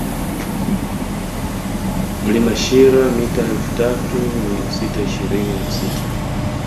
Mlima Shira mita elfu tatu mia sita ishirini na sita